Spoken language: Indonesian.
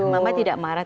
mama tidak marah